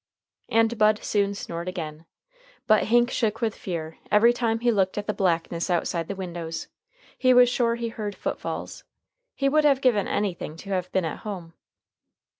And Bud soon snored again, but Hank shook with fear every time he looked at the blackness outside the windows. He was sure he heard foot falls. He would have given anything to have been at home.